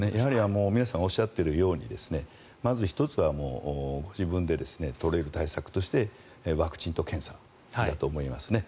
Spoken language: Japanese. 皆さんおっしゃっているようにまず１つは自分で取れる対策としてワクチンと検査だと思いますね。